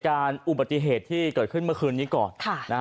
อุบัติเหตุที่เกิดขึ้นเมื่อคืนนี้ก่อน